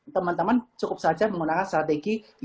teman teman cukup saja menggunakan strategi